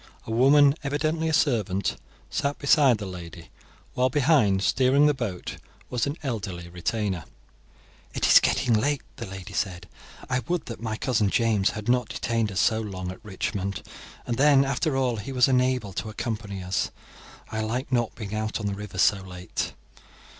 A woman, evidently a servant, sat beside the lady, while behind, steering the boat, was an elderly retainer. "It is getting dark," the lady said; "I would that my cousin James had not detained us so long at Richmond, and then after all he was unable to accompany us. I like not being out on the river so late."